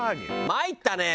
まいったねえ！